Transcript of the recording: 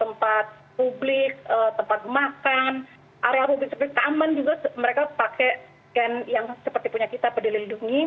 tempat publik tempat makan area publik seperti taman juga mereka pakai scan yang seperti punya kita peduli lindungi